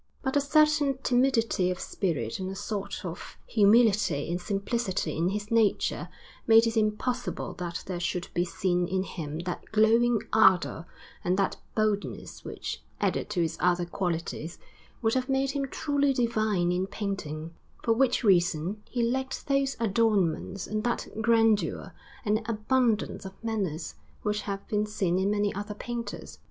But a certain timidity of spirit and a sort of humility and simplicity in his nature made it impossible that there should be seen in him that glowing ardour and that boldness which, added to his other qualities, would have made him truly divine in painting; for which reason he lacked those adornments and that grandeur and abundance of manners which have been seen in many other painters.